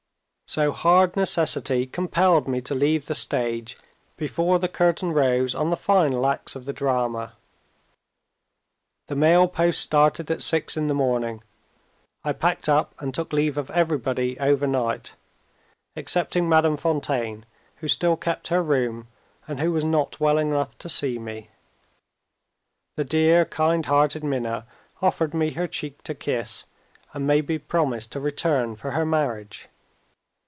So hard necessity compelled me to leave the stage, before the curtain rose on the final acts of the drama. The mail post started at six in the morning. I packed up, and took leave of everybody, overnight excepting Madame Fontaine, who still kept her room, and who was not well enough to see me. The dear kind hearted Minna offered me her cheek to kiss, and made me promise to return for her marriage.